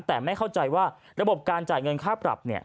แต่ไม่เข้าใจว่าระบบการจ่ายเงินค่าปรับเนี่ย